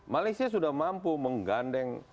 malaysia sudah mampu menggandeng